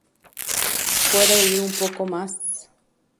Puedo ir un poco más.